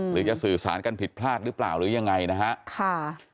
หรือจะสื่อสารกันผิดพลาดหรือเปล่าหรือยังไงนะฮะ